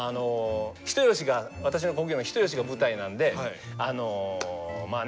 人吉が私の故郷の人吉が舞台なんでまあね